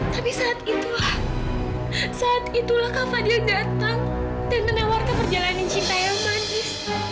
tapi saat itulah saat itulah kak fadil datang dan menawarkan perjalanan cinta yang manis